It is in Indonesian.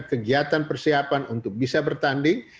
kegiatan persiapan untuk bisa bertanding